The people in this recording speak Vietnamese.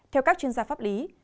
theo các chuyên gia pháp lý